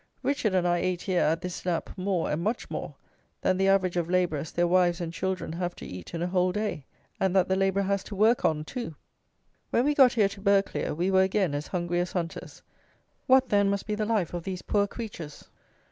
Richard and I ate here, at this snap, more, and much more, than the average of labourers, their wives and children, have to eat in a whole day, and that the labourer has to work on too! When we got here to Burghclere we were again as hungry as hunters. What, then, must be the life of these poor creatures?